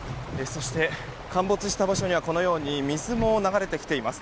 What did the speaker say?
そして、陥没した場所にはこのように水も流れてきています。